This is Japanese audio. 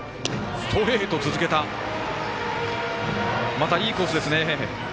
またいいコースですね。